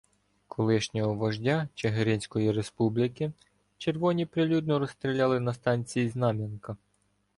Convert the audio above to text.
Колишнього вождя Чигиринської "республіки" червоні прилюдно розстріляли на станції Знам'янка.